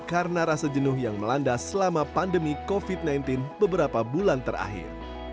karena rasa jenuh yang melanda selama pandemi covid sembilan belas beberapa bulan terakhir